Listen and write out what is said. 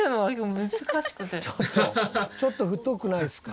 ちょっとちょっと太くないですか？